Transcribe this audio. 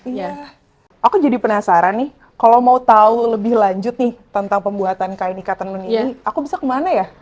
iya aku jadi penasaran nih kalau mau tahu lebih lanjut nih tentang pembuatan kain ikat tenun ini aku bisa kemana ya